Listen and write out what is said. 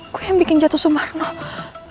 gue yang bikin jatuh subarna